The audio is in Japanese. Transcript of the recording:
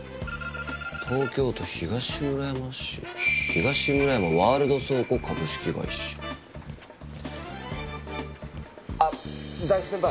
「東京都東村山市」「東村山ワールド倉庫株式会社」あっ大福先輩。